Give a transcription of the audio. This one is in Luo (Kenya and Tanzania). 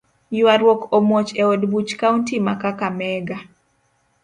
Yuaruok omuoch eod buch Kaunti ma kakamega.